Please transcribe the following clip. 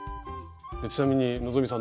ちなみに希さん